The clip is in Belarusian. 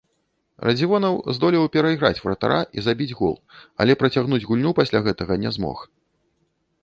Радзівонаў здолеў перайграць варатара і забіць гол, але працягнуць гульню пасля гэтага не змог.